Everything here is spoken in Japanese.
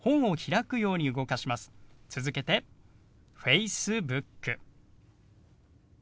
続けて「Ｆａｃｅｂｏｏｋ」。